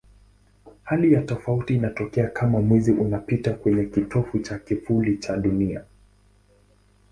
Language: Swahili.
Hali ya tofauti inatokea kama Mwezi unapita kwenye kitovu cha kivuli cha Dunia.